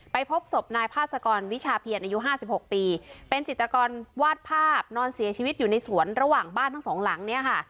พบศพนายพาสกรวิชาเพียรอายุ๕๖ปีเป็นจิตกรวาดภาพนอนเสียชีวิตอยู่ในสวนระหว่างบ้านทั้งสองหลังเนี่ยค่ะ